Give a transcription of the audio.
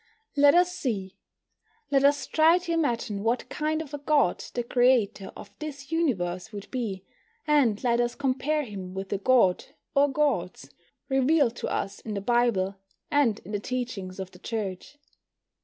Let us see. Let us try to imagine what kind of a God the creator of this Universe would be, and let us compare him with the God, or Gods, revealed to us in the Bible, and in the teachings of the Church.